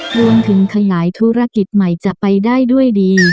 รวมถึงขยายธุรกิจใหม่จะไปได้ด้วยดี